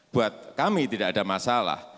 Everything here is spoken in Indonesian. buat kami tidak ada masalah